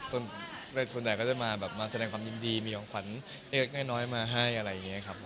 ส่วนใหญ่ก็จะมาแบบมาแสดงความยินดีมีของขวัญเล็กน้อยมาให้อะไรอย่างนี้ครับ